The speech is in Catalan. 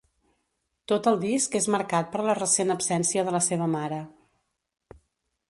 Tot el disc és marcat per la recent absència de la seva mare.